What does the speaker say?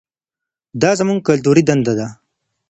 دا زموږ کلتوري دنده ده.